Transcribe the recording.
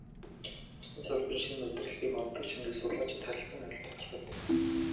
Улсын салбарын шинэ удирдлагын онцлог чанарыг судлаачид харилцан адил тодорхойлдоггүй.